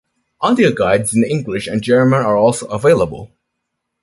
Audio guides in English and German are also available.